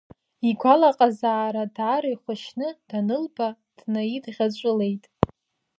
Игәалаҟазаара даара ихәашьны данылба днаидӷьаҵәылеит.